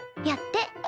やって。